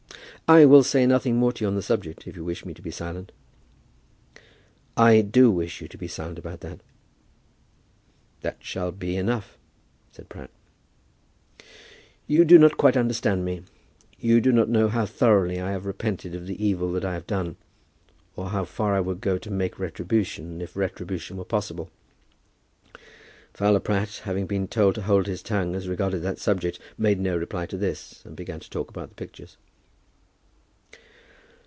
"I will say nothing more to you on the subject, if you wish me to be silent." "I do wish you to be silent about that." "That shall be enough," said Pratt. "You do not quite understand me. You do not know how thoroughly I have repented of the evil that I have done, or how far I would go to make retribution, if retribution were possible!" Fowler Pratt, having been told to hold his tongue as regarded that subject, made no reply to this, and began to talk about the pictures.